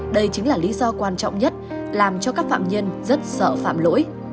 đây chính là lý do quan trọng nhất làm cho các phạm nhân rất sợ phạm lỗi